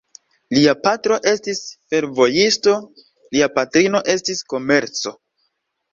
Lia patro estis fervojisto, lia patrino estis komerco.